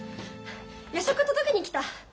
夜食届けに来た。